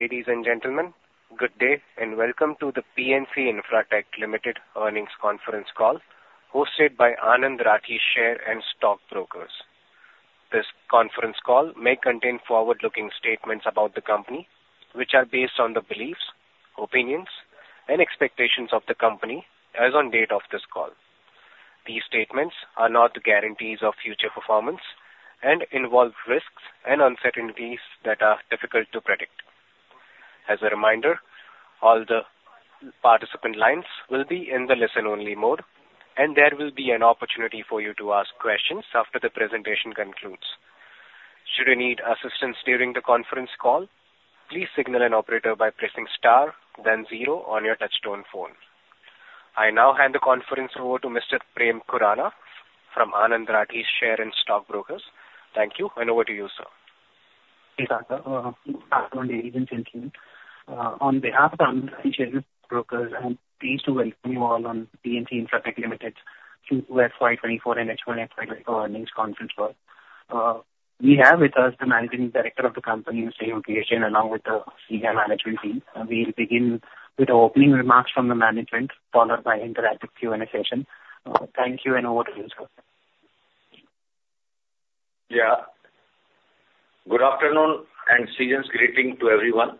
Ladies and gentlemen, good day, and welcome to the PNC Infratech Limited Earnings Conference Call, hosted by Anand Rathi Share and Stock Brokers. This conference call may contain forward-looking statements about the company, which are based on the beliefs, opinions, and expectations of the company as on date of this call. These statements are not guarantees of future performance and involve risks and uncertainties that are difficult to predict. As a reminder, all the participant lines will be in the listen-only mode, and there will be an opportunity for you to ask questions after the presentation concludes. Should you need assistance during the conference call, please signal an operator by pressing star then zero on your touchtone phone. I now hand the conference over to Mr. Prem Khurana from Anand Rathi Share and Stock Brokers. Thank you, and over to you, sir. Good afternoon, ladies and gentlemen. On behalf of Anand Rathi Share and Stock Brokers, I'm pleased to welcome you all on PNC Infratech Limited Q2 FY 2024 and H1 FY 2024 earnings conference call. We have with us the Managing Director of the company, Mr. Yogesh Jain, along with the senior management team. We'll begin with opening remarks from the management, followed by interactive Q&A session. Thank you, and over to you, sir. Yeah. Good afternoon, and season's greetings to everyone.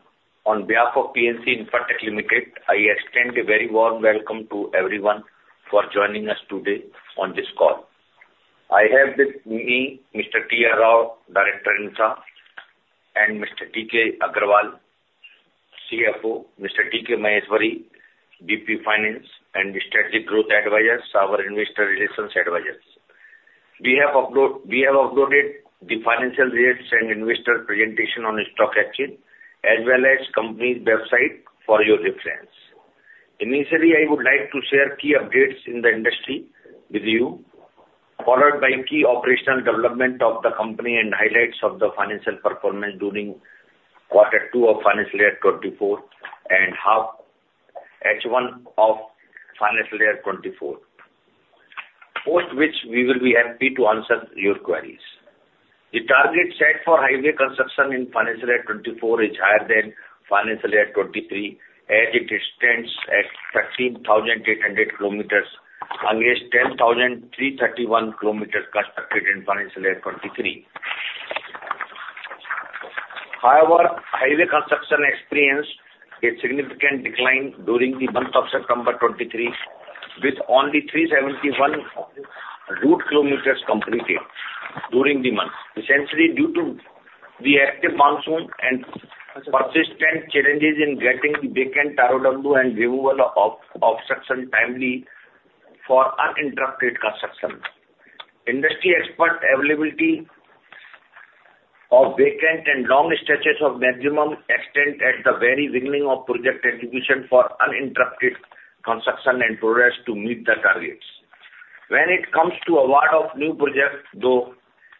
On behalf of PNC Infratech Limited, I extend a very warm welcome to everyone for joining us today on this call. I have with me Mr. T.R. Rao, Director, Infra, and Mr. D.K. Agarwal, CFO, Mr. D.K. Maheshwari, VP Finance, and Strategic Growth Advisors, our Investor Relations Advisors. We have uploaded the financial results and investor presentation on Stock Exchanges, as well as the company's website for your reference. Initially, I would like to share key updates in the industry with you, followed by key operational development of the company and highlights of the financial performance during quarter two of financial year 2024 and H1, H1 of financial year 2024, post which we will be happy to answer your queries. The target set for highway construction in financial year 2024 is higher than financial year 2023, as it stands at 13,800 km against 10,331 km constructed in financial year 2023. However, highway construction experienced a significant decline during the month of September 2023, with only 371 route kilometers completed during the month. Essentially, due to the active monsoon and persistent challenges in getting the vacant ROW and removal of obstruction timely for uninterrupted construction. Industry expert availability of vacant and long stretches of maximum extent at the very beginning of project execution for uninterrupted construction and progress to meet the targets. When it comes to award of new projects, though,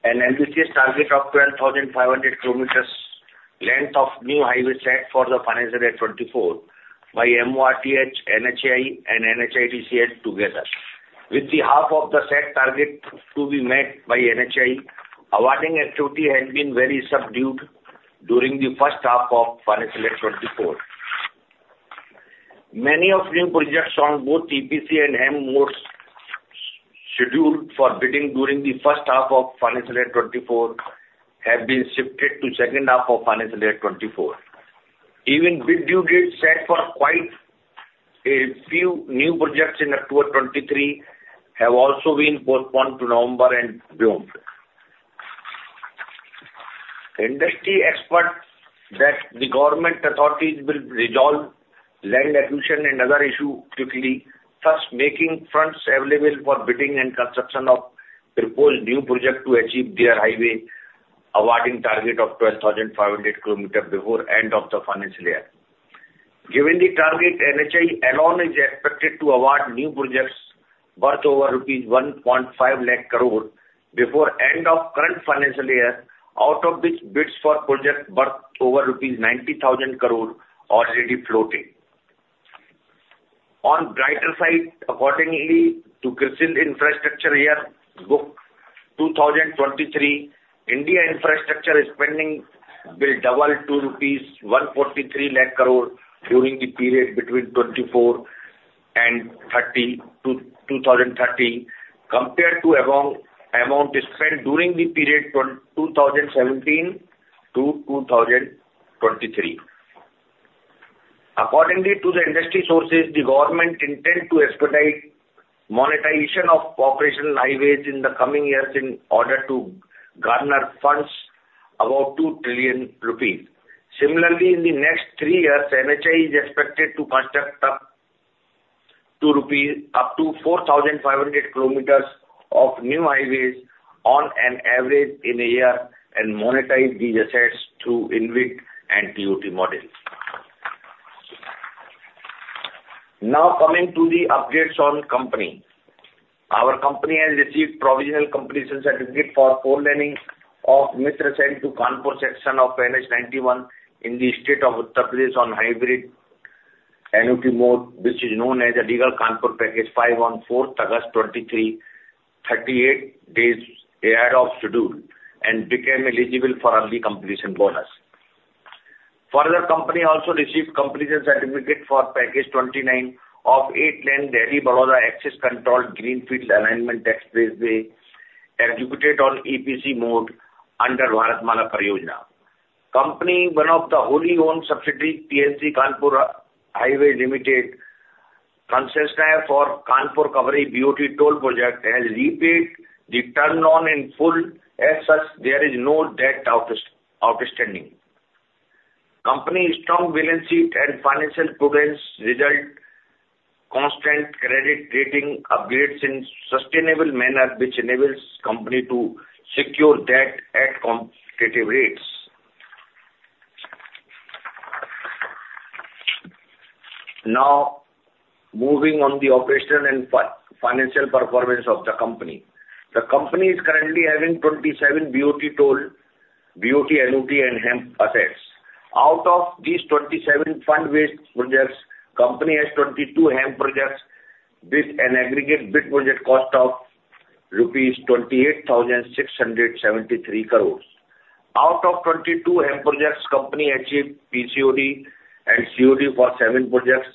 NHAI's target of 12,500 km length of new highway set for the financial year 2024 by MoRTH, NHAI and NHIDCL together. With half of the set target to be met by NHAI, awarding activity has been very subdued during the first half of financial year 2024. Many new projects on both EPC and HAM modes scheduled for bidding during the first half of financial year 2024 have been shifted to second half of financial year 2024. Even bid due dates set for quite a few new projects in October 2023 have also been postponed to November and beyond. Industry expects that the government authorities will resolve land acquisition and other issues quickly, thus making funds available for bidding and construction of proposed new projects to achieve their highway awarding target of 12,500 km before end of the financial year. Given the target, NHAI alone is expected to award new projects worth over rupees 150,000 crore before end of current financial year, out of which bids for projects worth over rupees 90,000 crore already floating. On brighter side, according to Crisil Infrastructure Year Book 2023, India infrastructure spending will double to rupees 14,300,000 crore during the period between 2024 and 2030, compared to the amount spent during the period 2017 to 2023. According to the industry sources, the government intend to expedite monetization of operational highways in the coming years in order to garner funds about 200,000 crore rupees. Similarly, in the next three years, NHAI is expected to construct up to 4,500 km of new highways on an average in a year and monetize these assets through InvIT and TOT models. Now, coming to the updates on company. Our company has received provisional completion certificate for four-laning of Mitrasen to Kanpur section of NH-91 in the state of Uttar Pradesh on hybrid annuity mode, which is known as the Aligarh-Kanpur Package Five on August 4, 2023, 38 days ahead of schedule, and became eligible for early completion bonus. Further, company also received completion certificate for Package 29 of 8-lane Delhi-Vadodara access-controlled greenfield alignment expressway, executed on EPC mode under Bharatmala Pariyojana. Company, one of the wholly owned subsidiary, PNC Kanpur Highway Limited, concessionaire for Kanpur-Kabrai BOT toll project, has repaid the term loan in full. As such, there is no debt outstanding. Company's strong balance sheet and financial prudence result constant credit rating upgrades in sustainable manner, which enables company to secure debt at competitive rates. Now, moving on the operational and financial performance of the company. The company is currently having 27 BOT-toll, BOT Annuity, and HAM projects. Out of these 27 fund-based projects, company has 22 HAM projects, with an aggregate bid project cost of rupees 28,673 crore. Out of 22 HAM projects, company achieved PCOD and COD for seven projects,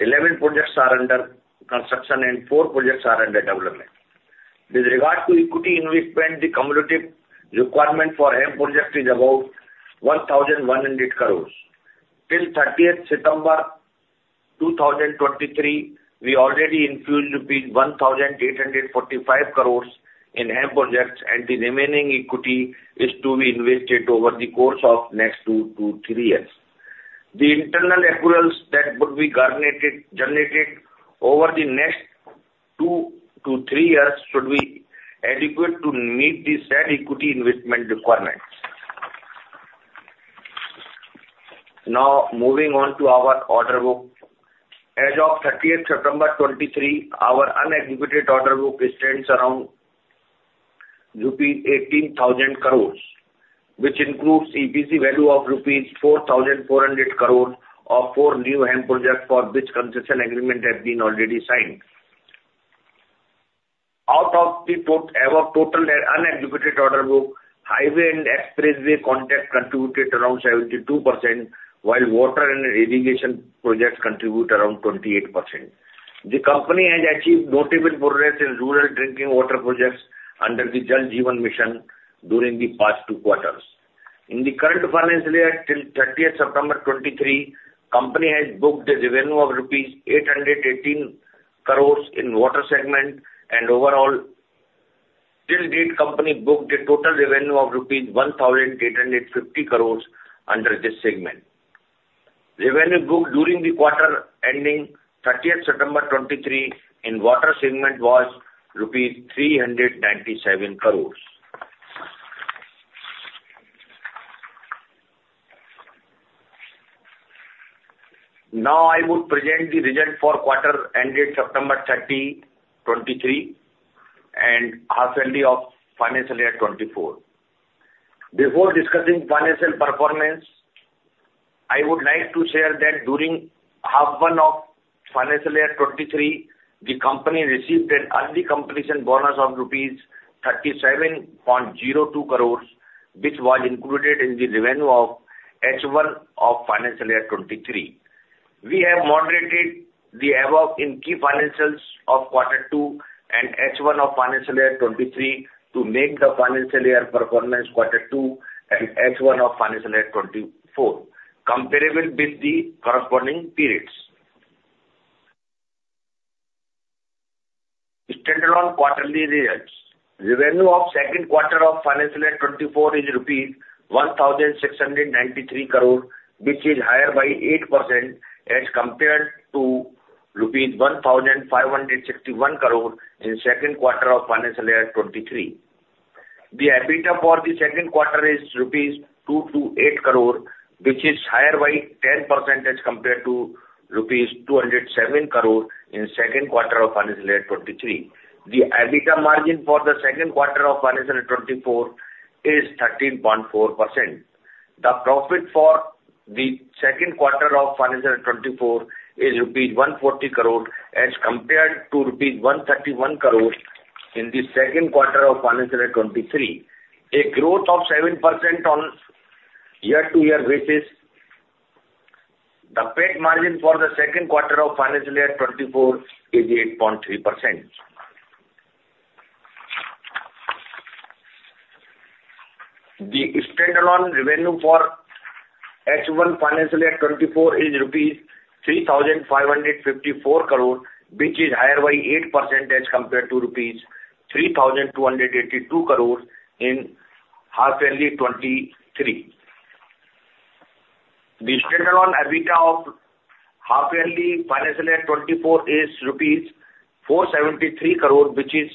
11 projects are under construction, and four projects are under development. With regard to equity investment, the cumulative requirement for HAM projects is about 1,100 crore. Till 30th September 2023, we already infused 1,845 crore in HAM projects, and the remaining equity is to be invested over the course of next two to three years. The internal accruals that would be generated over the next two to three years should be adequate to meet the said equity investment requirements. Now, moving on to our order book. As of 30th September 2023, our unexecuted order book stands around rupees 18,000 crore, which includes EPC value of rupees 4,400 crore of four new HAM projects for which concession agreement has been already signed. Out of the above total unexecuted order book, highway and expressway contracts contributed around 72%, while water and irrigation projects contribute around 28%. The company has achieved notable progress in rural drinking water projects under the Jal Jeevan Mission during the past two quarters. In the current financial year, till 30th September 2023, company has booked a revenue of rupees 818 crores in water segment, and overall, till date, company booked a total revenue of rupees 1,850 crores under this segment. Revenue booked during the quarter ending 30th September 2023 in water segment was rupees 397 crores. Now, I would present the result for quarter ended September 30, 2023, and half yearly of financial year 2024. Before discussing financial performance, I would like to share that during half one of financial year 2023, the company received an early completion bonus of rupees 37.02 crores, which was included in the revenue of H1 of financial year 2023. We have moderated the above in key financials of quarter two and H1 of financial year 2023 to make the financial year performance quarter two and H1 of financial year 2024, comparable with the corresponding periods. Standalone quarterly results. Revenue of second quarter of financial year 2024 is rupees 1,693 crore, which is higher by 8% as compared to rupees 1,561 crore in second quarter of financial year 2023. The EBITDA for the second quarter is rupees 228 crore, which is higher by 10% as compared to rupees 207 crore in second quarter of financial year 2023. The EBITDA margin for the second quarter of financial year 2024 is 13.4%. The profit for the second quarter of financial year 2024 is rupees 140 crore, as compared to rupees 131 crore in the second quarter of financial year 2023, a growth of 7% on year-over-year basis. The PAT margin for the second quarter of financial year 2024 is 8.3%. The standalone revenue for H1 financial year 2024 is rupees 3,554 crore, which is higher by 8% as compared to rupees 3,282 crore in half yearly 2023. The standalone EBITDA of half yearly financial year 2024 is 473 crore rupees, which is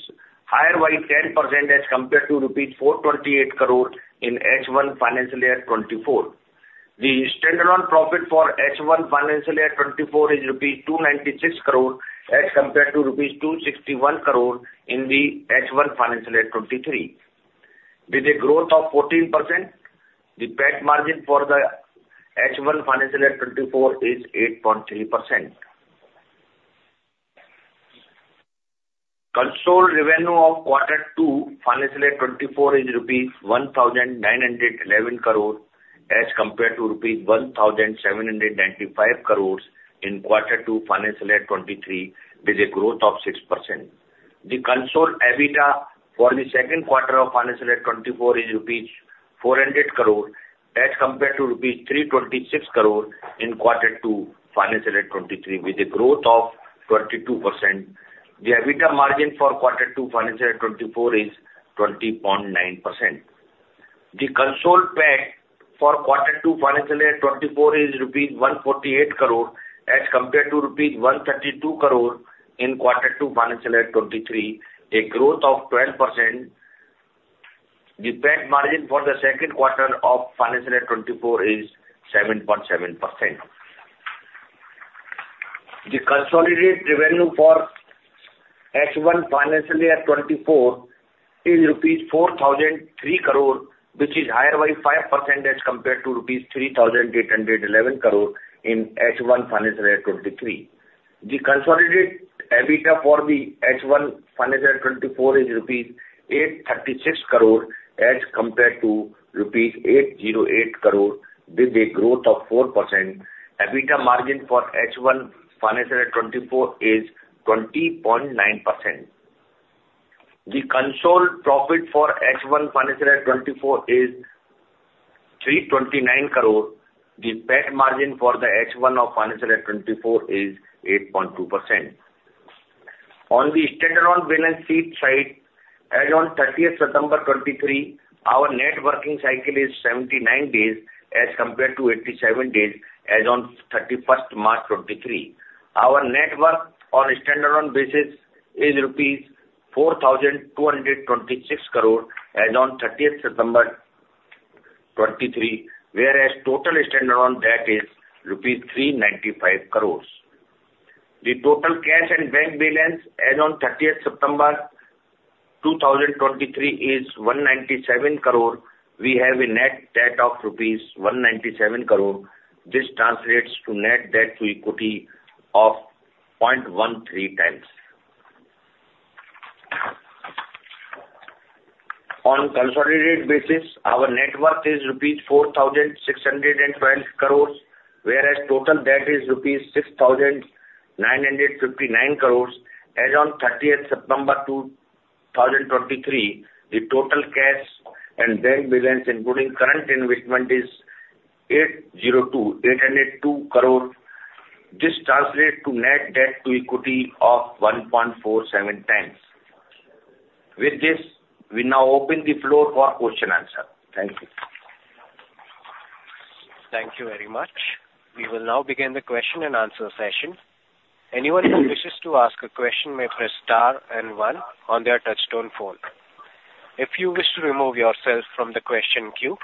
higher by 10% as compared to 428 crore rupees in H1 financial year 2024. The standalone profit for H1 financial year 2024 is 296 crore rupees, as compared to 261 crore rupees in the H1 financial year 2023, with a growth of 14%, the PAT margin for the H1 financial year 2024 is 8.3%. Consolidated revenue of quarter two, financial year 2024 is INR 1,911 crore, as compared to INR 1,795 crore in quarter two, financial year 2023, with a growth of 6%. The consolidated EBITDA for the second quarter of financial year 2024 is rupees 400 crore, as compared to rupees 326 crore in quarter two, financial year 2023, with a growth of 22%. The EBITDA margin for quarter two, financial year 2024 is 20.9%. The consolidated PAT for quarter two, financial year 2024, is rupees 148 crore, as compared to rupees 132 crore in quarter two, financial year 2023, a growth of 12%. The PAT margin for the second quarter of financial year 2024 is 7.7%. The consolidated revenue for H1 financial year 2024 is INR 4,003 crore, which is higher by 5% as compared to INR 3,811 crore in H1, financial year 2023. The consolidated EBITDA for the H1, financial year 2024, is INR 836 crore as compared to 808 crore rupees, with a growth of 4%. EBITDA margin for H1, financial year 2024, is 20.9%. The consolidated profit for H1, financial year 2024, is INR 329 crore. The PAT margin for the H1 of financial year 2024 is 8.2%. On the standalone balance sheet side, as on 30th September 2023, our net working cycle is 79 days, as compared to 87 days as on 31st March 2023. Our net worth on a standalone basis is INR 4,226 crore as on 30th September 2023, whereas total standalone debt is rupees 395 crores. The total cash and bank balance as on 30th September 2023 is 197 crore. We have a net debt of rupees 197 crore. This translates to net debt to equity of 0.13 times. On a consolidated basis, our net worth is INR 4,612 crores, whereas total debt is INR 6,959 crores as on 30th September 2023. The total cash and bank balance, including current investment, is 802 crore. This translates to net debt to equity of 1.47x. With this, we now open the floor for question answer. Thank you. Thank you very much. We will now begin the question and answer session. Anyone who wishes to ask a question may press star and 1 on their touch-tone phone. If you wish to remove yourself from the question queue,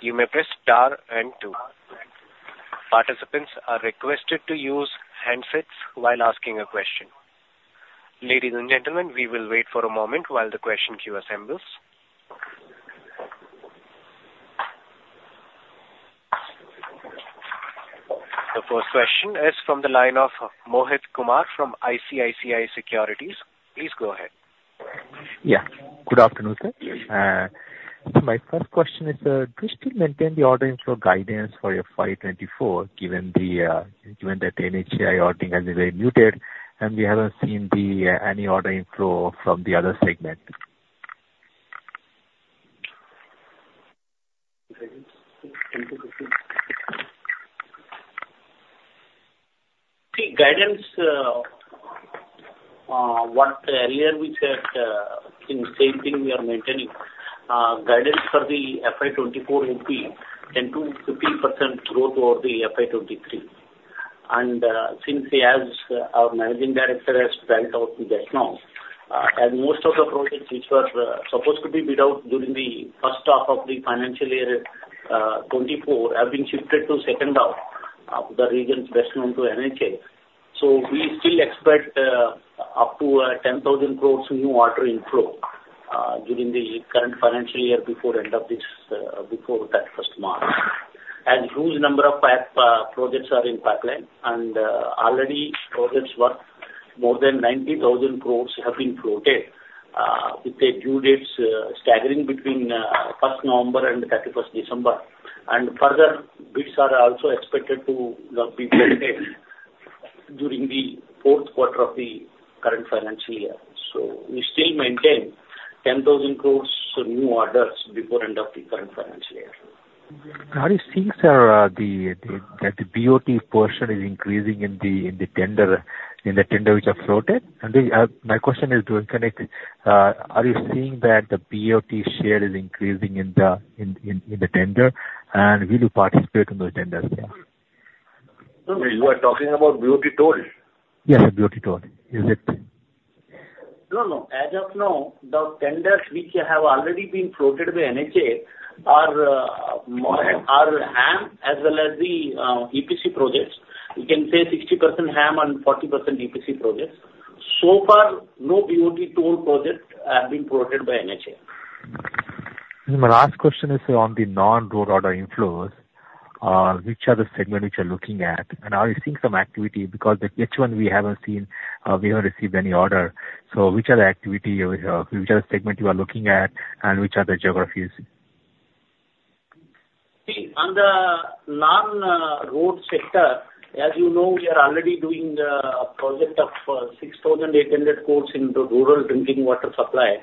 you may press star and two. Participants are requested to use handsets while asking a question. Ladies and gentlemen, we will wait for a moment while the question queue assembles. The first question is from the line of Mohit Kumar from ICICI Securities. Please go ahead. Yeah. Good afternoon, sir. So my first question is, do you still maintain the order inflow guidance for your FY 2024, given the, given that the NHAI awarding has been very muted, and we haven't seen the, any order inflow from the other segment? Guidance, what earlier we said, same thing we are maintaining. Guidance for the FY 2024 will be 10%-15% growth over the FY 2023. And, since as our managing director has spelled out just now, and most of the projects which were, supposed to be bid out during the first half of the financial year, 2024, have been shifted to second half of the reasons best known to NHAI. So we still expect, up to, 10,000 crore new order inflow, during the current financial year, before end of this, before that first March. And huge number of, projects are in pipeline and, already projects worth more than 90,000 crore have been floated, with the due dates staggering between, 1st November and 31st December. Further, bids are also expected to be floated during the fourth quarter of the current financial year. We still maintain 10,000 crore new orders before end of the current financial year. Are you seeing, sir, that the BOT portion is increasing in the tenders which are floated? And my question is, to connect, are you seeing that the BOT share is increasing in the tenders, and will you participate in those tenders? You are talking about BOT toll? Yes, BOT toll. Is it? No, no. As of now, the tenders which have already been floated by NHAI are HAM as well as the EPC projects. We can say 60% HAM and 40% EPC projects. So far, no BOT toll projects are being promoted by NHAI. My last question is on the non-road order inflows, which are the segment which you're looking at, and are you seeing some activity? Because the H1 we haven't seen, we haven't received any order. So which are the activity, which are the segment you are looking at, and which are the geographies? See, on the non-road sector, as you know, we are already doing a project of 6,800 crore in rural drinking water supply,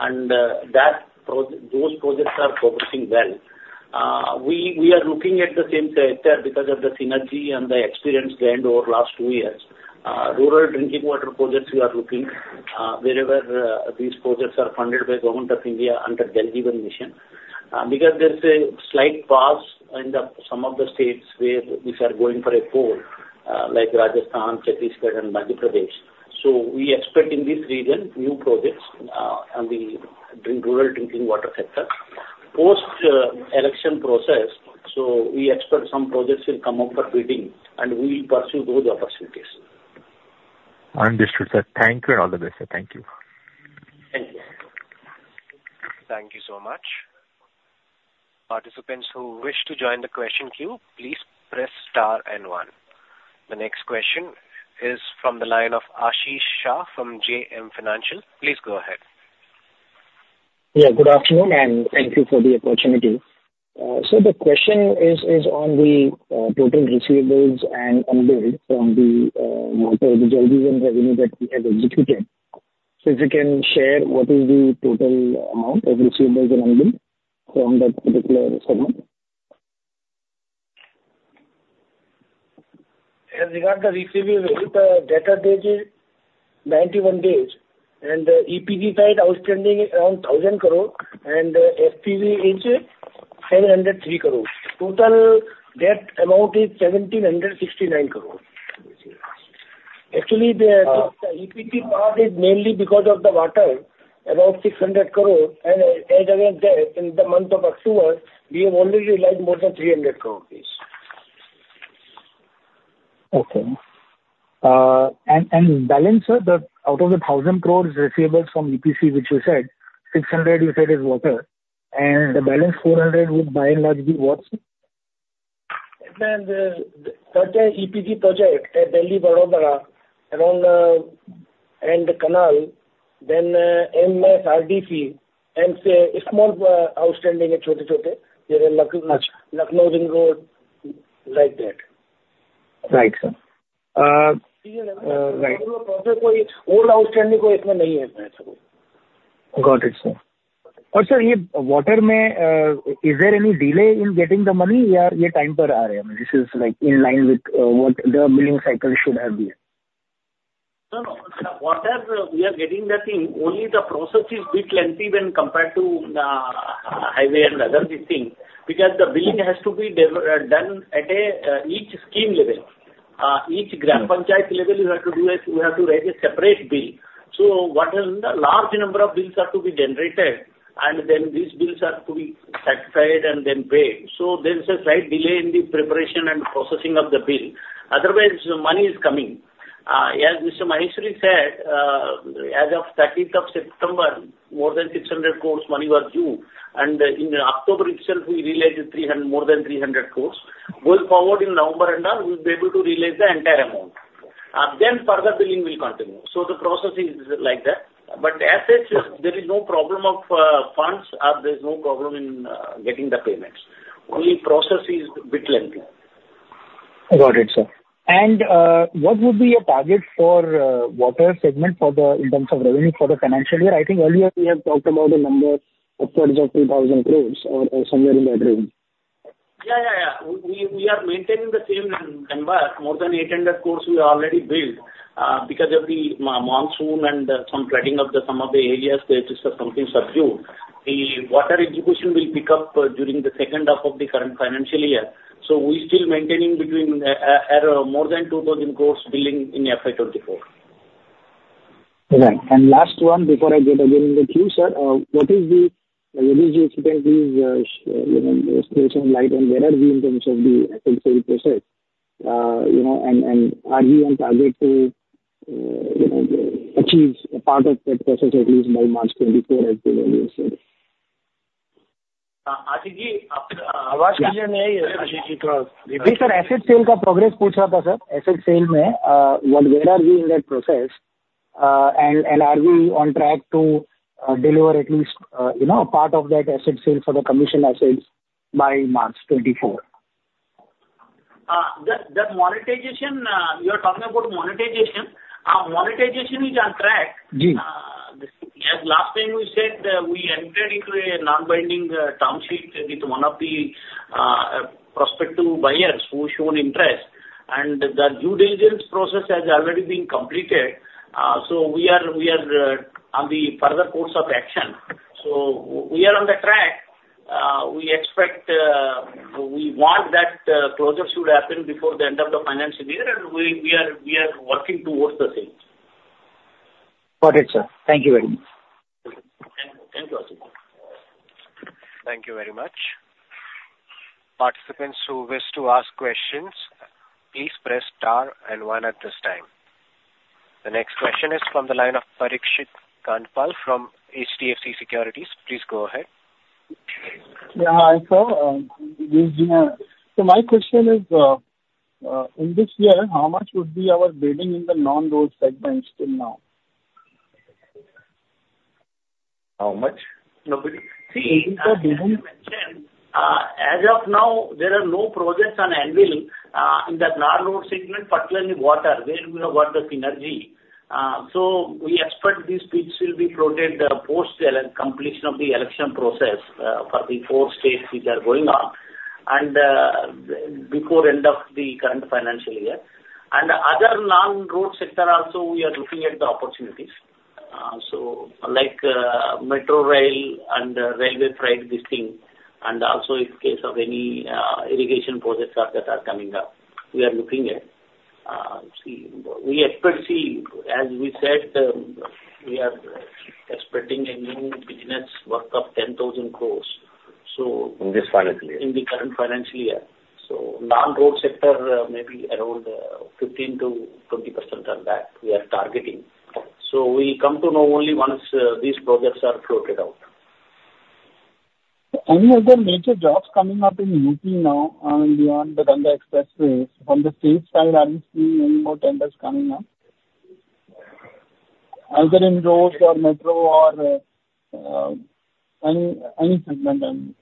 and those projects are progressing well. We are looking at the same sector because of the synergy and the experience gained over last two years. Rural drinking water projects we are looking wherever these projects are funded by Government of India under Jal Jeevan Mission. Because there's a slight pause in some of the states which are going for a poll, like Rajasthan, Chhattisgarh, and Madhya Pradesh. So we expect in this region new projects on the rural drinking water sector. Post election process, so we expect some projects will come up for bidding, and we will pursue those opportunities. Understood, sir. Thank you and all the best, sir. Thank you. Thank you. Thank you so much. Participants who wish to join the question queue, please press star and one. The next question is from the line of Ashish Shah from JM Financial. Please go ahead. Yeah, good afternoon, and thank you for the opportunity. So the question is on the total receivables and unbilled on the water, the Jal Jeevan revenue that we have executed. So if you can share, what is the total amount of receivables and unbilled from that particular segment? As regards the receivable, the debtor days is 91 days, and EPC side, outstanding is around 1,000 crore, and SPV is 703 crore. Total, that amount is 1,769 crore. Actually, the EPC part is mainly because of the water, about 600 crore, and as of that, in the month of October, we have already realized more than 300 crore rupees. Okay. And balance, sir, out of the 1,000 crore receivables from EPG, which you said, 600 you said is water, and the balance 400 would by and large be what, sir? Then, such as EPC project at Delhi-Vadodara, around, and canal, then, MSRDC, and say, small, outstanding, small, small, like Lucknow, Lucknow Ring Road, like that. Right, sir. Right. Old outstanding Got it, sir. And sir, water meter, is there any delay in getting the money or yeah, time, this is like in line with what the billing cycle should have been? No, no. Water, we are getting the thing, only the process is a bit lengthy when compared to highway and other thing, because the billing has to be done at a each scheme level. Each gram panchayat level, you have to do a, you have to raise a separate bill. So what is the large number of bills are to be generated, and then these bills are to be satisfied and then paid. So there is a slight delay in the preparation and processing of the bill. Otherwise, the money is coming. As Mr. Maheshwari said, as of thirtieth of September, more than 600 crore money were due, and in October itself, we realized more than 300 crore. Going forward in November and all, we'll be able to realize the entire amount, and then further billing will continue. So the process is like that. But as such, there is no problem of funds, or there's no problem in getting the payments. Only process is bit lengthy. Got it, sir. What would be your target for water segment for the in terms of revenue for the financial year? I think earlier we have talked about a number upwards of 2,000 crore or somewhere in that range. Yeah, yeah, yeah. We, we are maintaining the same number. More than 800 crore we already billed, because of the monsoon and some flooding of some of the areas, the things are due. The water execution will pick up, during the second half of the current financial year. So we still maintaining between, at more than 2,000 crore billing in FY 2024. Okay. And last one, before I get again in the queue, sir. What is the release expectancy, you know, installation, light and where are we in terms of the asset sale process? You know, and, and are we on target to, you know, achieve a part of that process at least by March 2024 as per what you said? Sir, asset sale progress, sir. Asset sale, where, where are we in that process? And, and are we on track to deliver at least, you know, a part of that asset sale for the concession assets by March 2024? The monetization, you are talking about monetization. Monetization is on track. Ji. As last time we said, we entered into a non-binding term sheet with one of the prospective buyers who shown interest, and the due diligence process has already been completed. So we are on the further course of action. So we are on the track. We expect, we want that closure should happen before the end of the financial year, and we are working towards the same. Got it, sir. Thank you very much. Thank you very much. Participants who wish to ask questions, please press star and one at this time. The next question is from the line of Parikshit Kandpal from HDFC Securities. Please go ahead. Yeah, hi, sir. My question is, in this year, how much would be our bidding in the non-road segments till now? How much? Nobody. See, as you mentioned, as of now, there are no projects on anvil, in that non-road segment, but only water, where we have got the synergy. So we expect these bids will be floated post the election, completion of the election process, for the four states which are going on, and, before end of the current financial year. And other non-road sector also, we are looking at the opportunities. So like, metro rail and railway freight, this thing, and also in case of any, irrigation projects that are coming up, we are looking at. See, we expect, see, as we said, we are expecting a new business worth 10,000 crore. So- In this financial year. In the current financial year. So non-road sector may be around 15%-20% of that, we are targeting. So we come to know only once these projects are floated out. Any other major jobs coming up in UP from now on, beyond the Ganga Expressway, from the state side, are you seeing any more tenders coming up? Either in roads or metro or any segment then.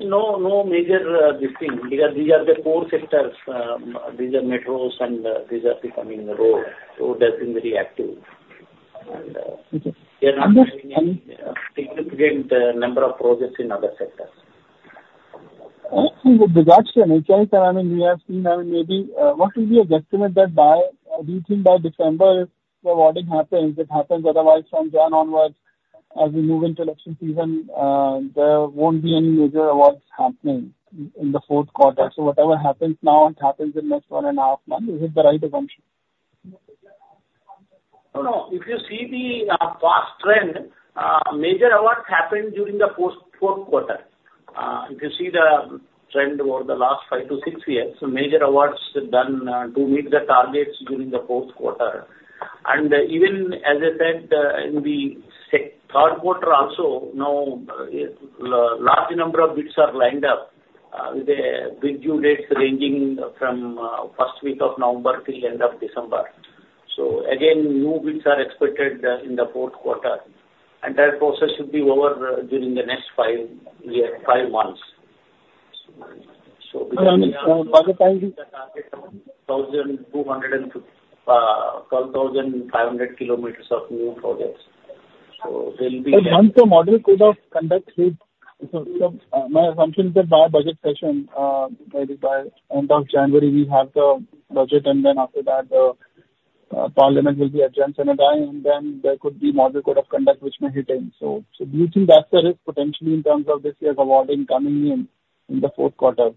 No, no major, this thing, because these are the core sectors. These are metros, and these are becoming the road. So that's been very active. And, Okay. We are not seeing any significant number of projects in other sectors. I see the reduction, I mean, we have seen, I mean, maybe what is the estimate that by December, do you think by December, the awarding happens, it happens, otherwise, from then onwards, as we move into election season, there won't be any major awards happening in the fourth quarter. So whatever happens now, it happens in next one and a half months. Is it the right assumption? No, no. If you see the past trend, major awards happened during the fourth, fourth quarter. If you see the trend over the last five to six years, major awards are done to meet the targets during the fourth quarter. And even as I said, in the second, third quarter also, now large number of bids are lined up with their bid due dates ranging from first week of November till end of December. So again, new bids are expected in the fourth quarter, and that process should be over during the next five year, five months. So- For the time being. The target of 12,500 km of new projects. So there will be a- But once the model code of conduct is... So, my assumption is that by budget session, maybe by end of January, we have the budget, and then after that, the parliament will be adjourned sine die, and then there could be model code of conduct which may hit in. So, do you think that's the risk potentially in terms of this year's awarding coming in, in the fourth quarter?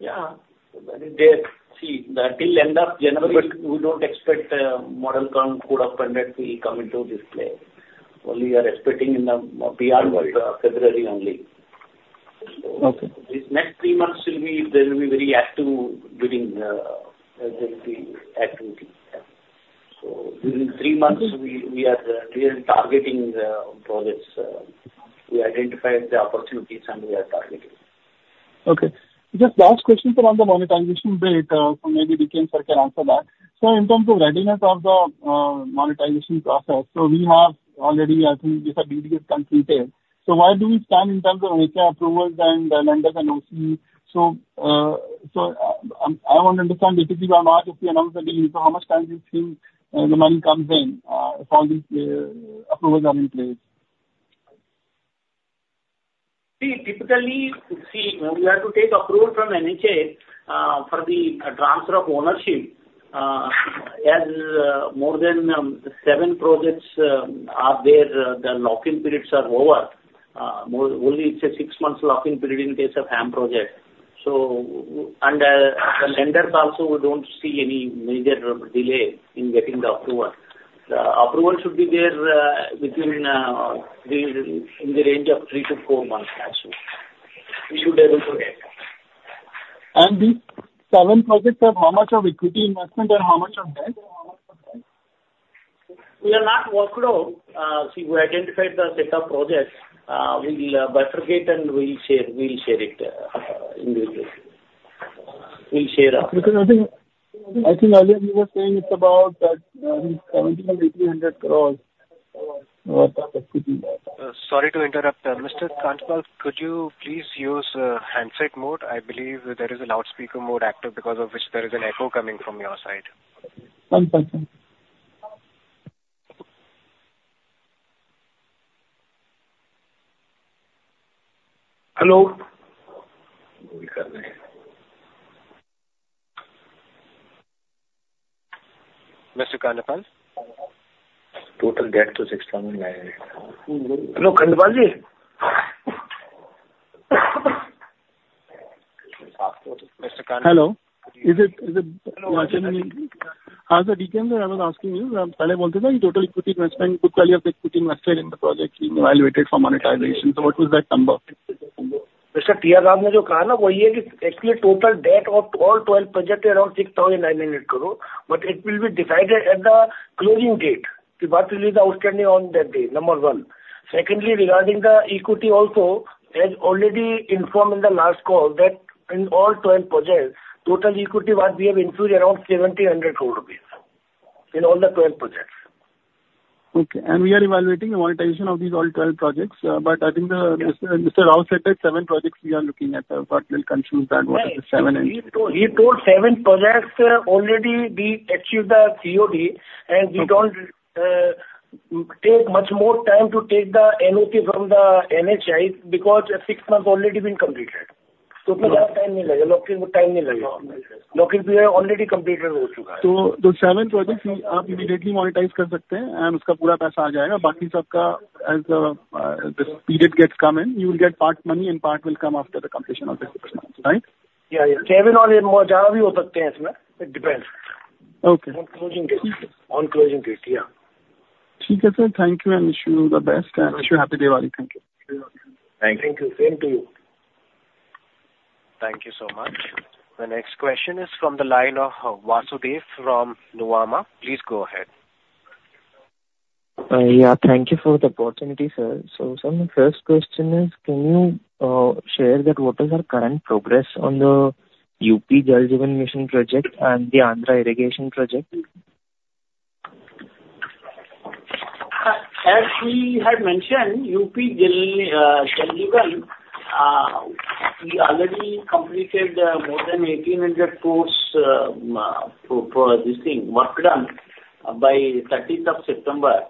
Yeah. So when it did, see, till end of January, we don't expect model code of conduct to come into this play. Only you are expecting in the beyond February only. Okay. These next three months will be, there will be very active bidding, there will be activity. So within three months, we are really targeting the projects. We identify the opportunities and we are targeting. Okay. Just last question from the monetization bit, so maybe D.K., sir, can answer that. So in terms of readiness of the monetization process, so we have already, I think, the DDs come completed. So where do we stand in terms of NHAI approvals and the lenders and OC? So, I, I want to understand basically by March, if we announce the deal, so how much time do you think the money comes in, if all these approvals are in place? See, typically, we have to take approval from NHAI for the transfer of ownership. As more than seven projects are there, the lock-in periods are over. Moreover, it's only a six-month lock-in period in case of HAM project. So, the lenders also don't see any major delay in getting the approval. The approval should be there within the range of three to four months. Actually, we should be able to get. These seven projects have how much of equity investment and how much of debt? We have not worked out. See, we identified the set of projects, we'll bifurcate and we'll share, we'll share it, individually. We'll share that. Because I think, I think earlier you were saying it's about that, 1,700-1,800 crore. Sorry to interrupt. Mr. Kandpal, could you please use handset mode? I believe there is a loudspeaker mode active because of which there is an echo coming from your side. One second. Hello? Mr. Kandpal? Total debt to INR 6,900 crores. Hello, Kandpalji? Hello. Is it, is it. As the weekend, I was asking you, I'm telling you total equity investment, book value of the equity invested in the project being evaluated for monetization. So what was that number? Mr. T. R. Rao has already said that it is actually a total debt of all 12 projects around 6,900 crores but it will be decided at the closing date. But it is outstanding on the day, number one. Secondly, regarding the equity also, has already informed in the last call that in all 12 projects, total equity we have included around 1700 crores rupees in all 12 projects. Okay, and we are evaluating the monetization of these all 12 projects. But I think Mr. Rao said that seven projects we are looking at, but we'll confirm that what are the seven and- He told seven projects already we achieved the COD, and we don't take much more time to take the NOC from the NHAI because six months already been completed. So those seven projects, you immediately monetize, and as the this period gets coming, you will get part money, and part will come after the completion of the six months, right? Yeah, yeah. seven or it depends. Okay. On closing date. On closing date, yeah. Thank you, and wish you the best, and wish you happy Diwali. Thank you. Thank you. Same to you. Thank you so much. The next question is from the line of Vasudev from Nuvama. Please go ahead. Yeah, thank you for the opportunity, sir. So sir, my first question is, can you share that what is our current progress on the UP Jal Jeevan Mission project and the Andhra Irrigation project? As we had mentioned, UP Jal, Jal Jeevan, we already completed more than 1,800 crore for this thing, work done by thirteenth of September.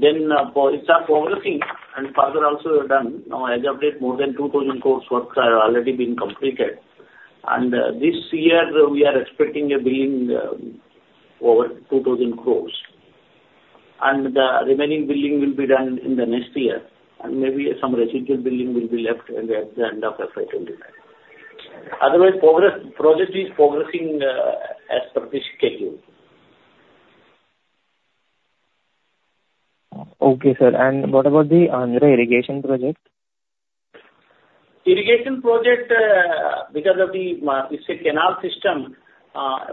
Then, for it's a progressing and further also done. Now, as of date, more than 2,000 crore works are already been completed, and this year we are expecting a billing over 2,000 crore. And the remaining billing will be done in the next year, and maybe some residual billing will be left at the end of FY 2025. Otherwise, progress, project is progressing as per the schedule. Okay, sir. What about the Andhra irrigation project? Irrigation project, because it's a canal system,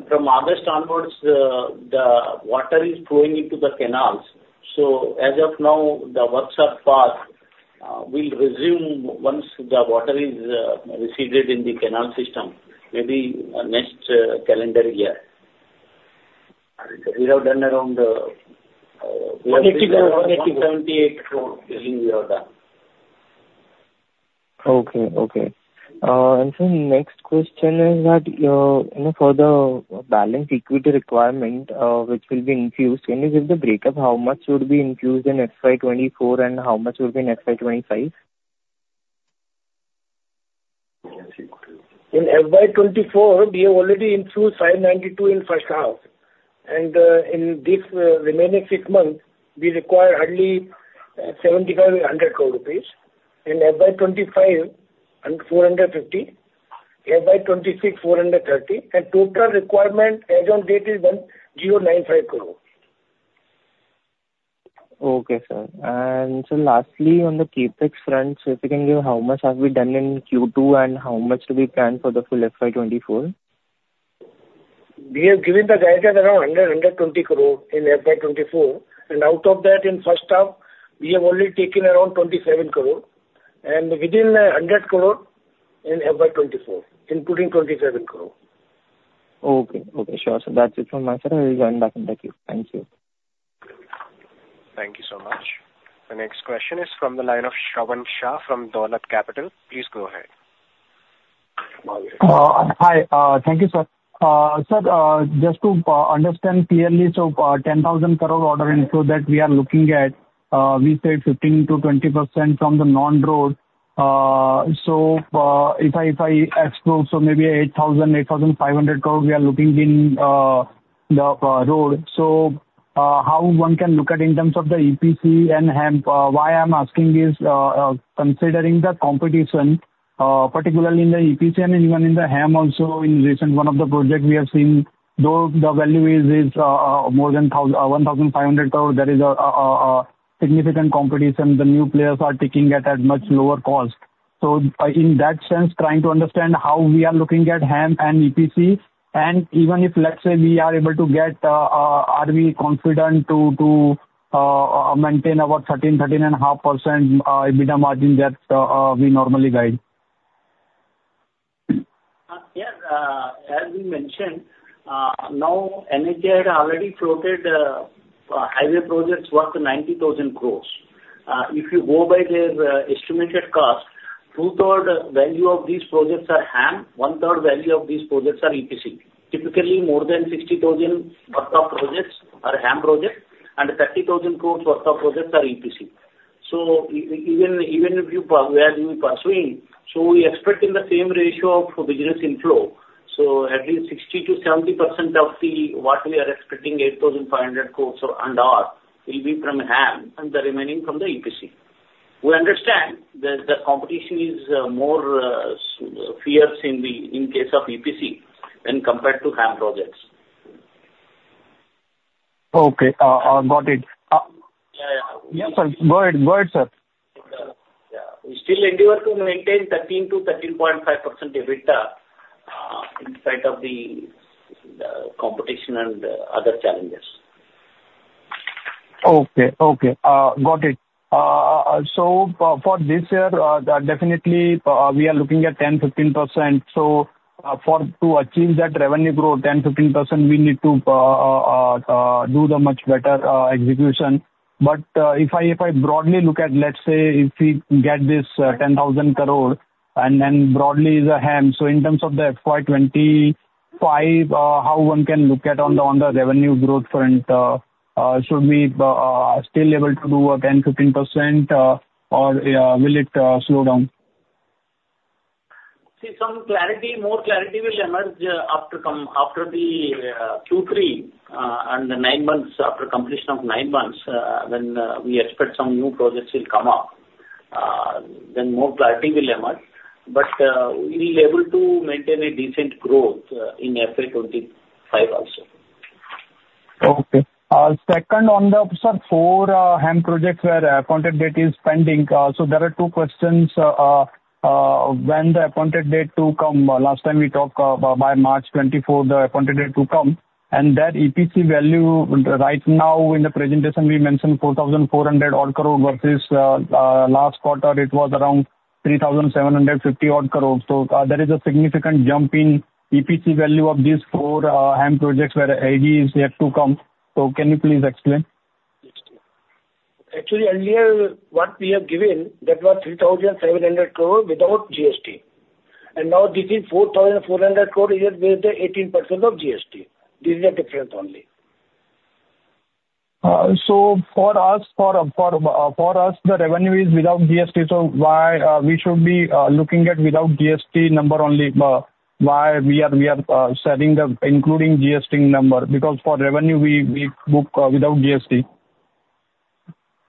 from August onwards, the water is flowing into the canals. So as of now, the works are paused. We'll resume once the water is receded in the canal system, maybe next calendar year. We have done around INR 178 crores billing we have done. Okay, okay. And so next question is that, you know, for the balance equity requirement, which will be infused, can you give the breakup, how much would be infused in FY 2024, and how much would be in FY 2025? In FY 2024, we have already infused 592 crore in first half, and, in this, remaining six months, we require hardly 75 crore-100 crore rupees. In FY 2025, and 450, FY 2026, 430, and total requirement as on date is INR 1,095 crore. Okay, sir. Lastly, on the CapEx front, so if you can give how much have we done in Q2 and how much do we plan for the full FY 2024? We have given the guidance around 100 crore-120 crore in FY 2024, and out of that, in first half, we have only taken around 27 crore, and within 100 crore in FY 2024, including 27 crore. Okay, okay, sure. That's it from my side. I will join back. Thank you. Thank you. Thank you so much. The next question is from the line of Shravan Shah from Dolat Capital. Please go ahead. Hi. Thank you, sir. Sir, just to understand clearly, so 10,000 crore order inflow that we are looking at, we said 15%-20% from the non-road. So, if I explore, so maybe 8,000 crore-8,500 crore we are looking in the road. So, how one can look at in terms of the EPC and HAM? Why I'm asking is, considering the competition, particularly in the EPC and even in the HAM also in recent one of the project we have seen, though the value is more than 1,500 crore, there is significant competition. The new players are taking it at much lower cost. So in that sense, trying to understand how we are looking at HAM and EPC, and even if, let's say, we are able to get, are we confident to maintain our 13%-13.5% that we normally guide? Yes, as we mentioned, now NHAI had already floated highway projects worth 90,000 crore. If you go by their estimated cost, 2/3 value of these projects are HAM, 1/3 value of these projects are EPC. Typically, more than 60,000 crore worth of projects are HAM projects, and 30,000 crore worth of projects are EPC. So even, even if you, where you are pursuing, so we expect in the same ratio of business inflow. So at least 60%-70% of the... what we are expecting, 8,500 crore and/or, will be from HAM and the remaining from the EPC.... We understand that the competition is more fierce in the case of EPC when compared to HAM projects. Okay, got it. Yeah, yeah. Yes, sir, go ahead. Go ahead, sir. Yeah. We still endeavor to maintain 13%-13.5% EBITDA in spite of the competition and other challenges. Okay, okay. Got it. So for this year, definitely, we are looking at 10%-15%. So, for to achieve that revenue growth, 10%-15%, we need to do the much better execution. But, if I broadly look at, let's say, if we get this 10,000 crore, and then broadly is a HAM, so in terms of the FY 2025, how one can look at on the revenue growth front, should we still able to do a 10%-15%, or will it slow down? See, some clarity, more clarity will emerge after the Q3 and the nine months, after completion of nine months, when we expect some new projects will come up, then more clarity will emerge. But, we will able to maintain a decent growth in FY 2025 also. Okay. Second, on the four HAM projects where contract date is pending. So there are two questions. When the contract date to come? Last time we talked, by March 24th, the contract date to come, and that EPC value right now in the presentation we mentioned 4,400-odd crore versus last quarter, it was around 3,750-odd crore. So there is a significant jump in EPC value of these four HAM projects where AD is yet to come. So can you please explain? Actually, earlier, what we have given, that was 3,700 crore without GST. And now this is 4,400 crore, is with the 18% of GST. This is the difference only. So for us, the revenue is without GST, so why we should be looking at without GST number only? Why we are sharing the including GST number, because for revenue, we book without GST.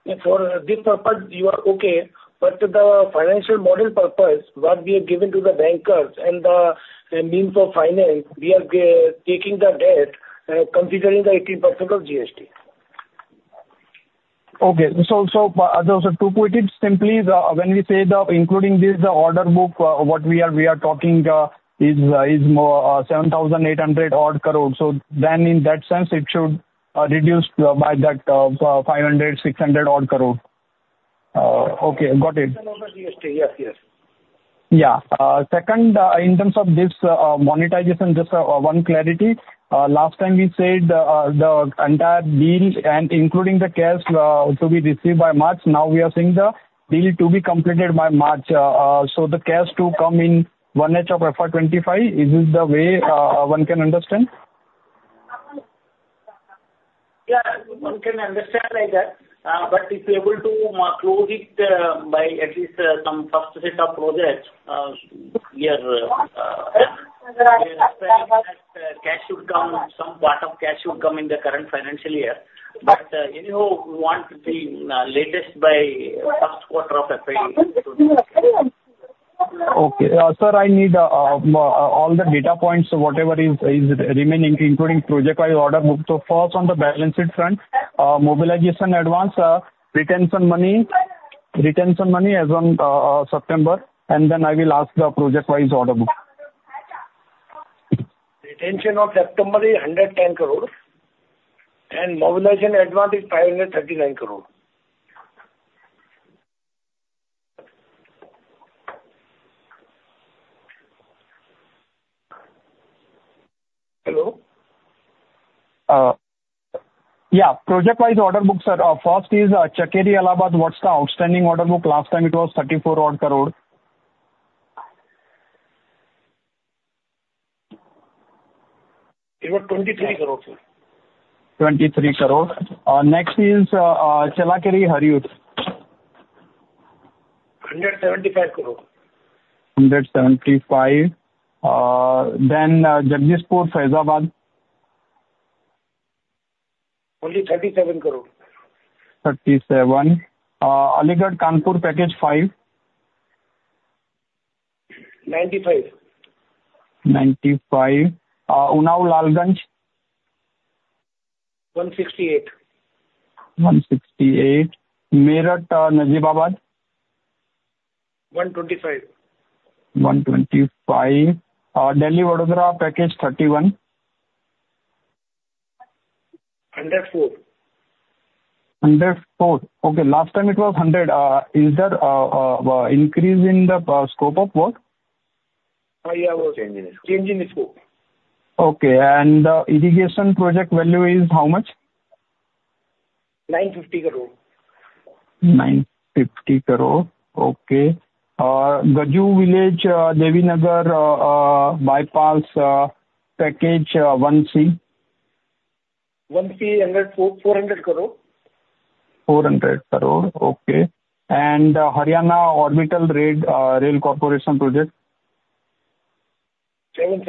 Yeah, for this purpose, you are okay. But the financial model purpose, what we have given to the bankers and the means of finance, we are taking the debt considering the 18% of GST. Okay. To put it simply, when we say including this, the order book, what we are talking is more 7,800 crore. Then in that sense, it should reduce by that 500-600 crore. Okay, got it. Over GST. Yes, yes. Yeah. Second, in terms of this, monetization, just, one clarity. Last time we said, the entire deal and including the cash, to be received by March. Now we are saying the deal to be completed by March. So the cash to come in end of FY 2025, is this the way one can understand? Yeah, one can understand like that. But if we are able to close it by at least some first set of projects here, cash should come, some part of cash should come in the current financial year. But anyhow, we want to be latest by first quarter of FY 2023. Okay. Sir, I need all the data points, whatever is remaining, including project-wise order book. So first, on the balance sheet front, mobilization advance, retention money, retention money as on September, and then I will ask the project-wise order book. Retention of September is 110 crore, and mobilization advance is 539 crore. Hello? Yeah. Project-wise order book, sir. First is Chakeri Allahabad. What's the outstanding order book? Last time it was INR 34 odd crore. It was 23 crores, sir. 23 crore. Next is Challakere-Hiriyur. 175 crores. 175 crores. Then, Jagdishpur-Faizabad? Only 37 crore. 37 crores. Aligarh-Kanpur, Package Five? 95 crores. INR 95 crores. Unnao-Lalganj? 168 crores. 168 crores. Meerut, Najibabad? 125 crores. 125 crores. Delhi-Vadodara, Package 31? 104 crores. 104 crores. Okay, last time it was 100. Is there increase in the scope of work? Yeah, we're changing it. Changing the scope. Okay. And, irrigation project value is how much? 950 crore. 950 crore. Okay. Gaju Village-Devinagar Bypass, Package 1C? 1C, 104 crore, 400 crore. 400 crore. Okay. And Haryana Orbital Rail Corporation project?... INR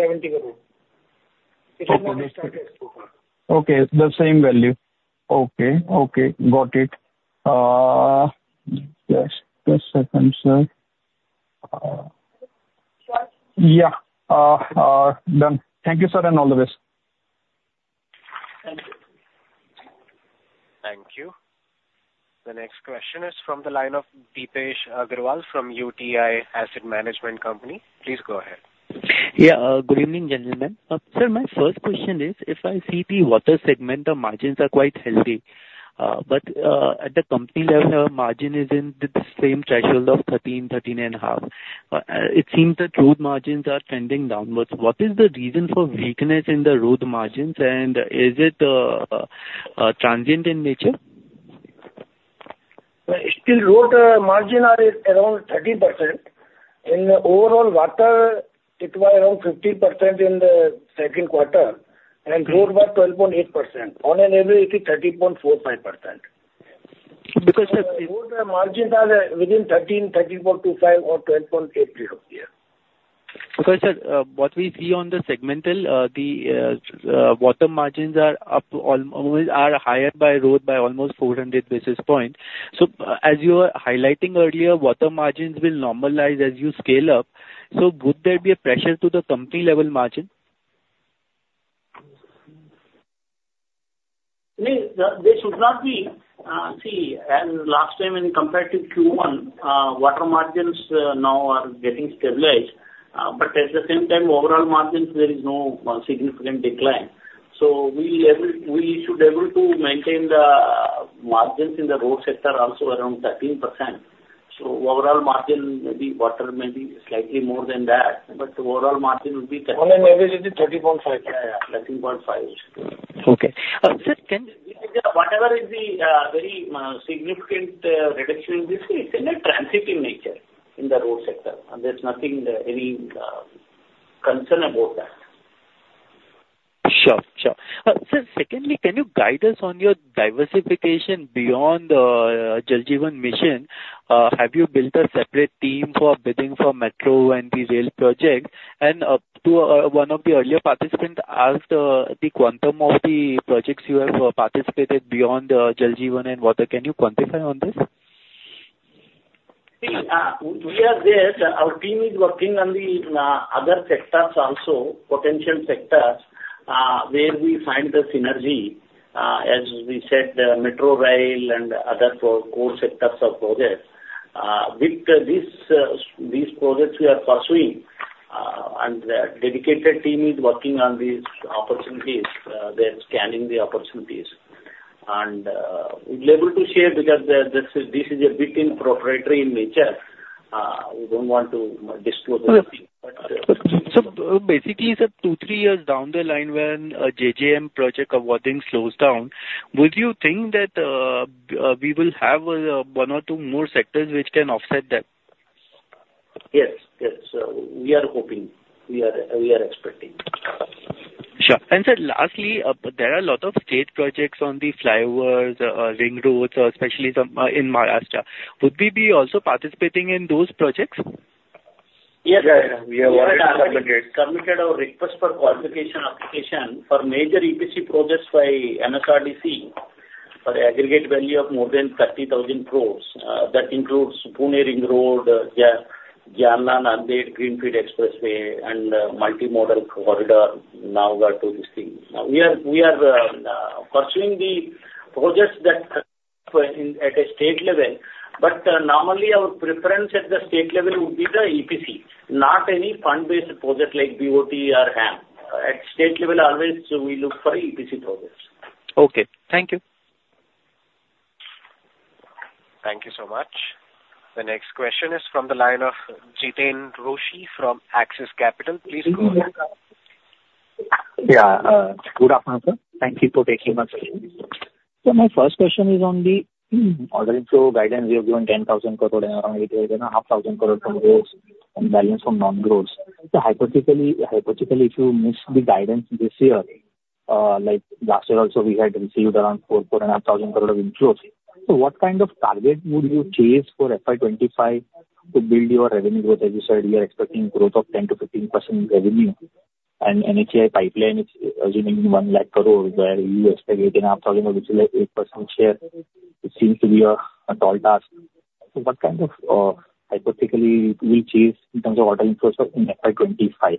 770 crore. Okay, the same value. Okay, okay, got it. Just, just a second, sir. Yeah. Done. Thank you, sir, and all the best. Thank you. Thank you. The next question is from the line of Deepesh Agarwal from UTI Asset Management Company. Please go ahead. Yeah, good evening, gentlemen. Sir, my first question is, if I see the water segment, the margins are quite healthy. But at the company level, margin is in the same threshold of 13, 13 and a half. It seems that road margins are trending downwards. What is the reason for weakness in the road margins, and is it transient in nature? Well, still road margins are at around 30%. In overall water, it was around 15% in the second quarter, and growth was 12.8%. On an average, it is 13.45%. Because, sir- Road margins are within 13, 13.25 or 12.83 over there. Okay, sir, what we see on the segmental, the water margins are up almost are higher by road by almost 400 basis points. So, as you were highlighting earlier, water margins will normalize as you scale up. So, would there be a pressure to the company level margin? No, there should not be. See, as last time when compared to Q1, water margins now are getting stabilized. But at the same time, overall margins, there is no significant decline. So we should able to maintain the margins in the road sector also around 13%. So overall margin, maybe water may be slightly more than that, but overall margin will be- On an average, it is 13.5. Yeah, yeah, 13.5. Okay. Sir, can- Yeah, whatever is the very significant reduction in this, it's transient in nature, in the road sector, and there's nothing any concern about that. Sure, sure. Sir, secondly, can you guide us on your diversification beyond the Jal Jeevan Mission? Have you built a separate team for bidding for metro and the rail projects? And to one of the earlier participants asked, the quantum of the projects you have participated beyond the Jal Jeevan and water. Can you quantify on this? See, we are there. Our team is working on the other sectors also, potential sectors, where we find the synergy. As we said, metro, rail, and other core sectors of projects. With this, these projects we are pursuing, and a dedicated team is working on these opportunities. They're scanning the opportunities. And, we'll be able to share because this is a bit proprietary in nature. We don't want to disclose everything. But, Sir, basically, sir, two, three years down the line when JJM project awarding slows down, would you think that we will have 1 or 2 more sectors which can offset that? Yes, yes. We are hoping. We are, we are expecting. Sure. Sir, lastly, there are a lot of state projects on the flyovers, ring roads, especially some, in Maharashtra. Would we be also participating in those projects? Yes. We are working on it. Submitted a request for qualification application for major EPC projects by MSRDC, for aggregate value of more than 30,000 crore. That includes Pune Ring Road, Jalna-Nanded Greenfield Expressway, and Multimodal Corridor, Nagpur to Mumbai. We are pursuing the projects that at a state level. But normally, our preference at the state level would be the EPC, not any fund-based projects like BOT or HAM. At state level, always we look for EPC projects. Okay. Thank you. Thank you so much. The next question is from the line of Jiten Rushi from Axis Capital. Please go ahead. Yeah, good afternoon, sir. Thank you for taking my question. So my first question is on the order inflow guidance. You have given 10,000 crore around it, and 500 crore from roads and balance from non-roads. So hypothetically, if you miss the guidance this year, like last year also, we had received around 4,000 crore-4,500 crore of inflows. So what kind of target would you chase for FY 2025 to build your revenue growth? As you said, you are expecting growth of 10%-15% revenue, and NHAI pipeline is assuming INR 100,000 crore, where you expect within INR 50,000 crore, which is like 8% share. It seems to be a tall task. So what kind of hypothetically will you chase in terms of order inflows in FY 2025?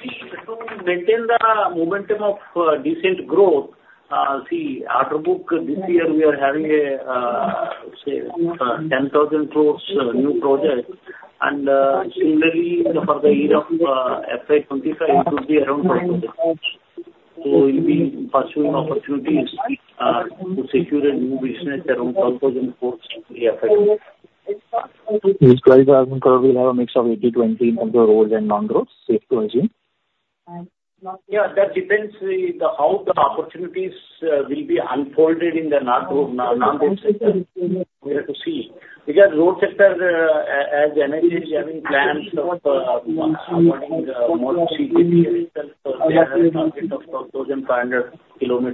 See, to maintain the momentum of decent growth, order book this year, we are having a say 10,000 crore new projects. Similarly, for the year of FY 2025, it will be around 12,000 crore. We'll be pursuing opportunities to secure a new business around 12,000 crore in FY 2025. This 12,000 crore will have a mix of 80/20 in the roads and non-roads, safe to assume? Yeah, that depends on how the opportunities will be unfolded in the non-road sector. We have to see. Because road sector, as NHAI is having plans of awarding more EPC results, so they are having a target of 12,500 km.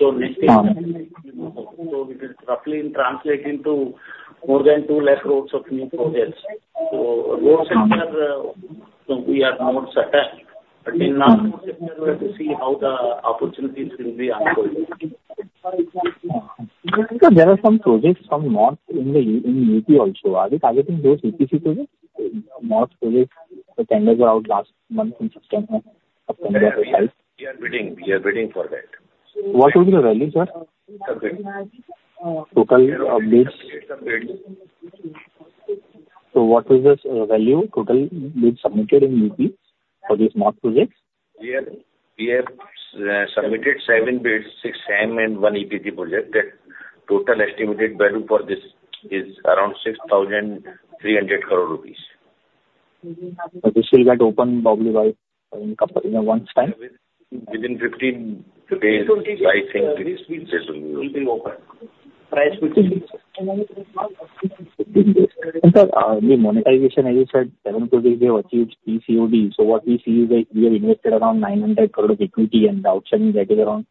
So next year. So it roughly translates into more than 200,000 roads of new projects. So road sector, so we are more certain, but in other sectors, we have to see how the opportunities will be unfolding. Sir, there are some projects from MoRTH in UP also. Are you targeting those EPC projects? MoRTH projects, the tenders were out last month in September or July. We are bidding, we are bidding for that. What will be the value, sir? Sorry. Total updates. So what is the value, total bids submitted in UP for these MoRTH projects? We have submitted seven bids, six HAM and one EPC project. That total estimated value for this is around 6,300 crore rupees. This will get opened probably by, in one time? Within 15 days, I think this will be open. Sir, the monetization, as you said, seven projects they have achieved PCOD. So what we see is that we have invested around 900 crore of equity and the outstanding that is around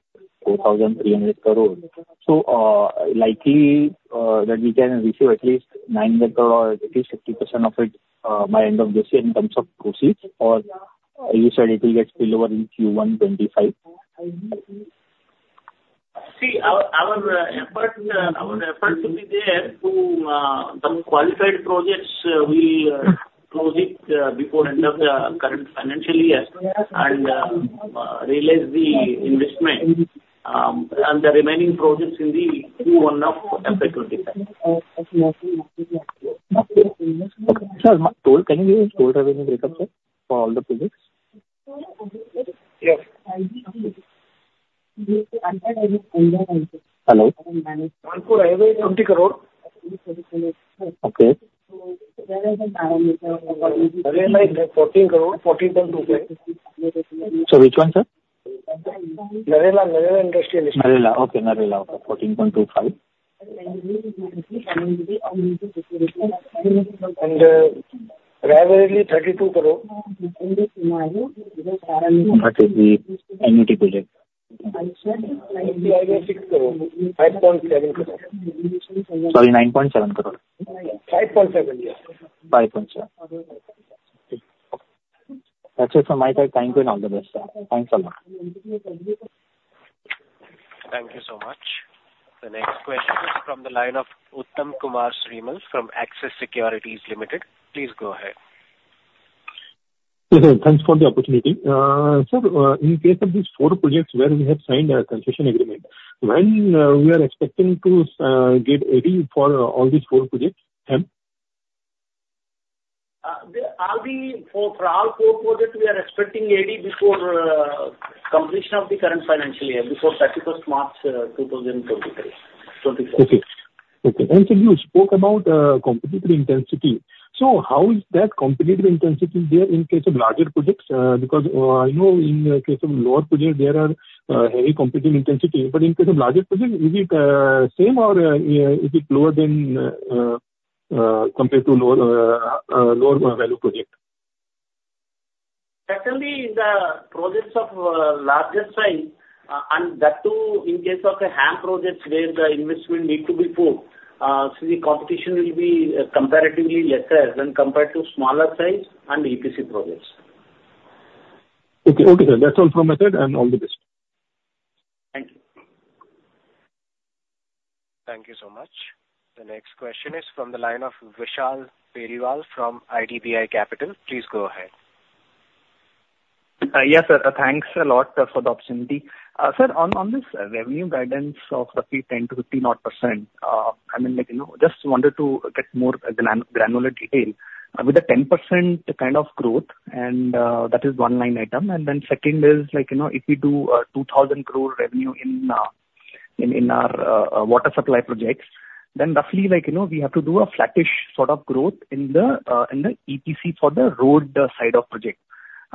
4,300 crore. So, likely, that we can receive at least 900 crore or at least 50% of it, by end of this year in terms of proceeds, or you said it will get spill over in Q1 2025. See, our effort will be there to some qualified projects we close it before end of the current financial year and realize the investment, and the remaining projects in the Q1 of FY 2025. Okay. Sir, toll, can you give us toll revenue breakup, sir, for all the projects? Yes. Hello? Kanpur Highway, INR 20 crore. Okay. Narela, INR 14 crore, 14.25. Sorry, which one, sir? Narela, Narela Industrial. Narela. Okay, Narela, okay, 14.25. Raebareli is INR 32 crore. That is the Annuity project. INR 6 crore, INR 5.7 crore. Sorry, 9.7 crore? 5.7, yes. 5.7. Okay. That's it from my side. Thank you and all the best, sir. Thanks a lot. Thank you so much. The next question is from the line of Uttam Kumar Srimal from Axis Securities Limited. Please go ahead. Yes, sir, thanks for the opportunity. So, in case of these four projects where we have signed a concession agreement, when we are expecting to get AD for all these four projects, HAM? For all four projects, we are expecting AD before completion of the current financial year, before March 31, 2023-2024. Okay. Okay, and sir, you spoke about competitive intensity. So how is that competitive intensity there in case of larger projects? Because, you know, in the case of lower project, there are heavy competitive intensity. But in case of larger projects, is it same or is it lower than compared to lower, lower value project? Actually, in the projects of larger size, and that too in case of a HAM projects, where the investment need to be put, so the competition will be comparatively lesser than compared to smaller size and EPC projects. Okay, okay, sir. That's all from my side, and all the best. Thank you. Thank you so much. The next question is from the line of Vishal Periwal from IDBI Capital. Please go ahead. Yes, sir. Thanks a lot for the opportunity. Sir, on this revenue guidance of 30%-50%, I mean, like, you know, just wanted to get more granular detail. With the 10% kind of growth, and that is one line item. And then second is like, you know, if we do 2,000 crore revenue in our water supply projects, then roughly like, you know, we have to do a flattish sort of growth in the EPC for the road side of project.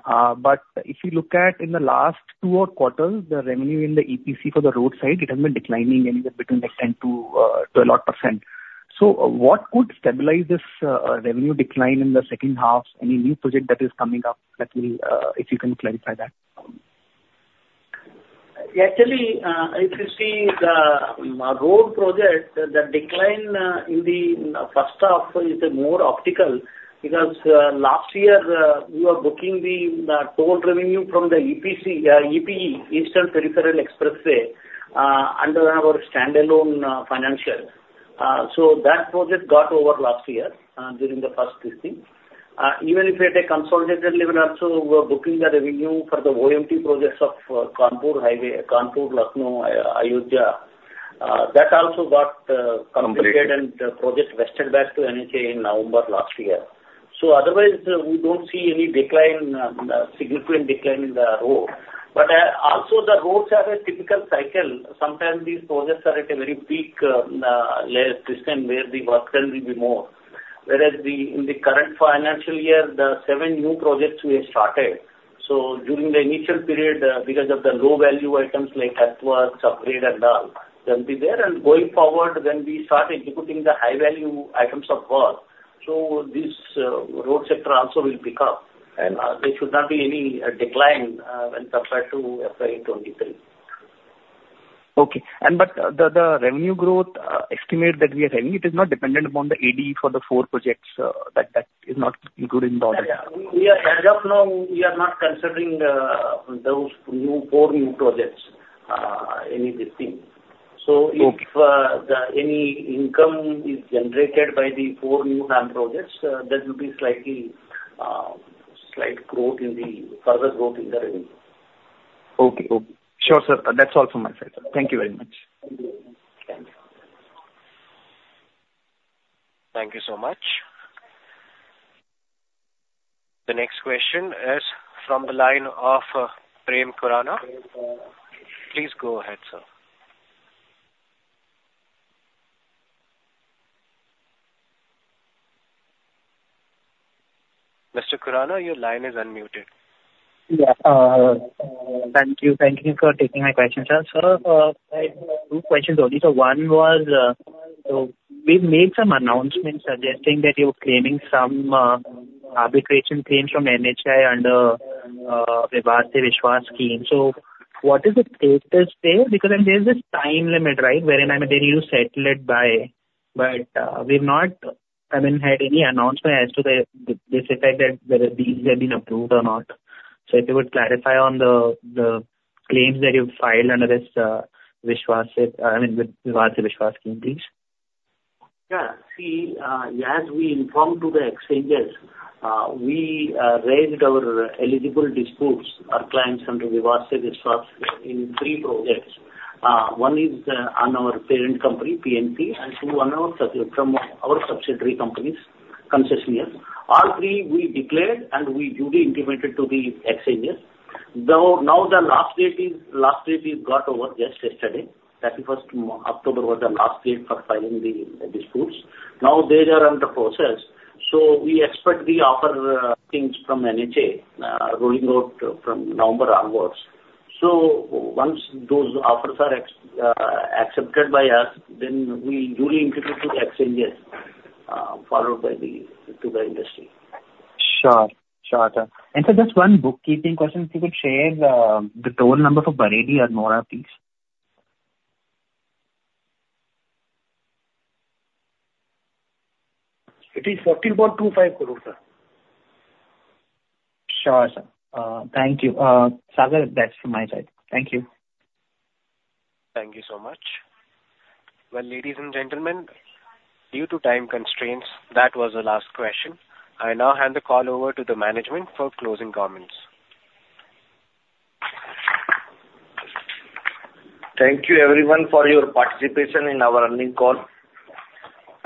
But if you look at in the last two quarters, the revenue in the EPC for the road side, it has been declining anywhere between like 10%-20%. So what could stabilize this revenue decline in the second half? Any new project that is coming up that will, if you can clarify that? Actually, if you see the road project, the decline in the first half is more optical, because last year we were booking the toll revenue from the EPC EPE, Eastern Peripheral Expressway under our standalone financials. So that project got over last year during the first half. Even if at a consolidated level also, we were booking the revenue for the OMT projects of Kanpur highway, Kanpur, Lucknow, Ayodhya. That also got completed- Completed. The project vested back to NHAI in November last year. Otherwise, we don't see any significant decline in the road. But also, the roads have a typical cycle. Sometimes these projects are at a very peak, less season, where the work done will be more. Whereas, in the current financial year, the seven new projects we have started, so during the initial period, because of the low-value items like earthworks, upgrade and all, they'll be there. And going forward, when we start executing the high-value items of work... This road sector also will pick up, and there should not be any decline when compared to FY 2023. Okay. But the revenue growth estimate that we are having, it is not dependent upon the AD for the four projects, that is not included in the order? Yeah, we are, as of now, we are not considering those four new projects in this thing. Okay. If then any income is generated by the four new projects, that will be slightly slight growth in the further growth in the revenue. Okay. Okay. Sure, sir. That's all from my side, sir. Thank you very much. Thank you. Thank you so much. The next question is from the line of Prem Khurana. Please go ahead, sir. Mr. Khurana, your line is unmuted. Yeah. Thank you. Thank you for taking my question, sir. Sir, I have two questions only. So one was, so we've made some announcements suggesting that you're claiming some arbitration claims from NHAI under Vivad Se Vishwas Scheme. So what is the status there? Because then there's this time limit, right? Wherein, I mean, they need to settle it by. But, we've not, I mean, had any announcement as to this effect that whether these have been approved or not. So if you would clarify on the claims that you've filed under this Vishwas, I mean, with Vivad Se Vishwas Scheme, please. Yeah. See, as we informed to the exchanges, we raised our eligible disputes or claims under Vivad Se Vishwas in three projects. One is on our parent company, PNC, and two on our subsidiary companies, concessionaires. All three we declared, and we duly implemented to the exchanges. Now, the last date is got over just yesterday. October 31 was the last date for filing the disputes. Now, they are under process, so we expect the offer things from NHAI rolling out from November onwards. So once those offers are accepted by us, then we duly introduce to the exchanges, followed by to the industry. Sure. Sure, sir. And so just one bookkeeping question, if you could share the total number for Bareilly-Almora, please. It is 14.25 crore, sir. Sure, sir. Thank you. Sir, that's from my side. Thank you. Thank you so much. Well, ladies and gentlemen, due to time constraints, that was the last question. I now hand the call over to the management for closing comments. Thank you everyone for your participation in our earnings call.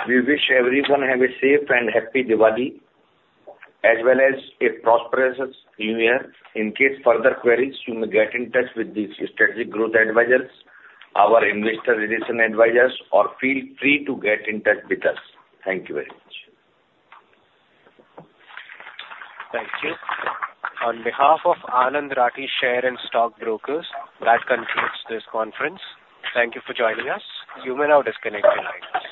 We wish everyone have a safe and happy Diwali, as well as a prosperous New Year. In case further queries, you may get in touch with the Strategic Growth Advisors, our investor relations advisors, or feel free to get in touch with us. Thank you very much. Thank you. On behalf of Anand Rathi Share and Stock Brokers, that concludes this conference. Thank you for joining us. You may now disconnect your lines.